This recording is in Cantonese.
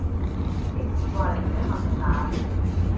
幾時過來請我食飯